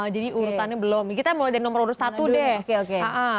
jadi urutannya belum kita mulai dari nomor urut satu deh